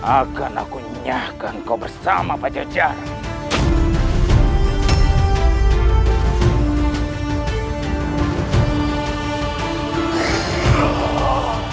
akan aku nyahkan kau bersama pak jocara